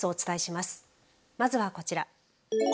まずは、こちら。